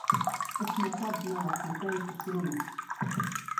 Es nekad neesmu teicis runu.